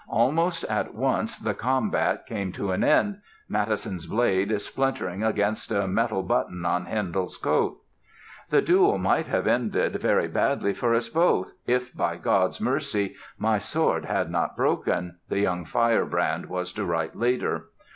Almost at once the combat came to an end, Mattheson's blade splintering against a metal button on Handel's coat. "The duel might have ended very badly for us both, if by God's mercy my sword had not broken," the young firebrand was to write later.